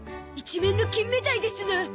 一面のキンメダイですな。